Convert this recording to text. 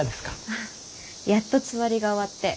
あやっとつわりが終わって。